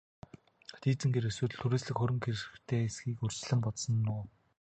Лизингээр эсвэл түрээслэх хөрөнгө хэрэгтэй эсэхийг урьдчилан бодсон уу?